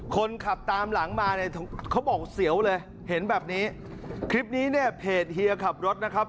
คนขับตามหลังมาเนี่ยเขาบอกเสียวเลยเห็นแบบนี้คลิปนี้เนี่ยเพจเฮียขับรถนะครับ